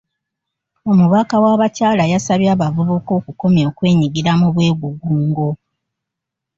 Omubaka w'abakyala yasabye abavubuka okukomya okwenyigira mu bwegugungo.